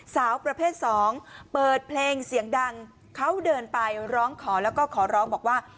สาวประเภทสองเปิดเพลงเสียงดังเขาเดินไปร้องขอแล้วก็ขอร้องบอกว่า